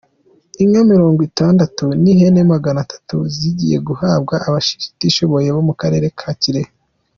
Inka mirongo itandatu n’ihene maganatatu zigiye guhabwa abatishoboye bo mu Karere ka Kirehe